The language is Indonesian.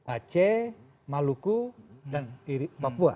aceh maluku dan papua